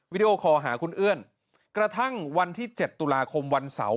วิดีโอคอลหาคุณเอื้อนกระทั่งวันที่๗ตุลาคมวันเสาร์